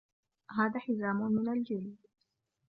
هذا حزام من الجلد.